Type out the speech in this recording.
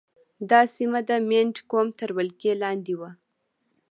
دا سیمه د مینډ قوم تر ولکې لاندې وه.